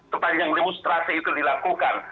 sepanjang demonstrasi itu dilakukan